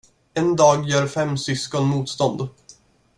En dag gör fem syskon motstånd.